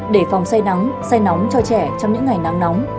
để phòng say nắng say nóng cho trẻ trong những ngày nắng nóng